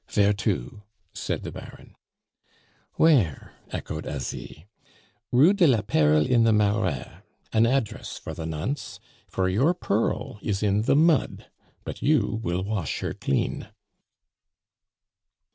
"Vere to?" said the Baron. "Where?" echoed Asie. "Rue de la Perle in the Marais an address for the nonce; for your pearl is in the mud, but you will wash her clean."